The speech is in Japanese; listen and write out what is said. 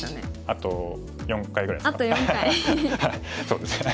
あと４回ぐらいですか。